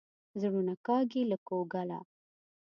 زړونه کاږي له کوګله.